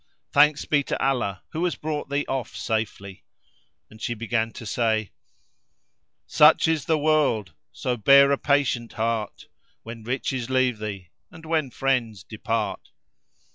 Thanks be to Allah who has brought thee off safely;" and she began to say:— "Such is the World, so bear a patient heart * When riches leave thee and when friends depart!"